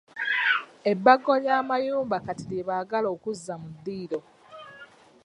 Ebbago ly'amayumba kati lye baagala okuzza mu ddiiro.